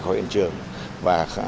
khỏi hiện trường và